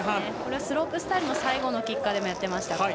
スロープスタイルの最後のキッカーでもやっていました。